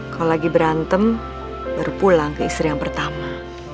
kalau lagi berantem baru pulang ke istri yang pertama